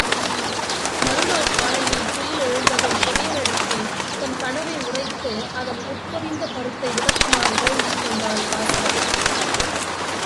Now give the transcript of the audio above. மறுநாள் காலையில் துயிலெழுந்ததும் உதயணனிடத்தில் தன் கனவை உரைத்து அதன் உட்பொதிந்த கருத்தை விளக்குமாறு வேண்டிக் கொண்டாள் வாசவதத்தை.